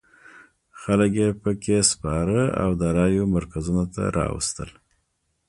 خلک یې په کې سپاره او د رایو مرکزونو ته راوستل.